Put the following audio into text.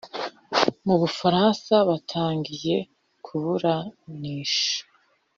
mu Bufaransa batangiye kuburanisha